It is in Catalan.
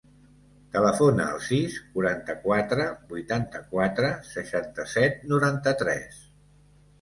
Telefona al sis, quaranta-quatre, vuitanta-quatre, seixanta-set, noranta-tres.